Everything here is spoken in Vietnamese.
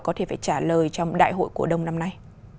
có thể phải trả lời trong đại hội cổ đông năm nay